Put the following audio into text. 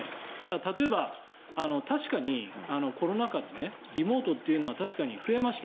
例えば確かにコロナ禍でリモートというのは増えました。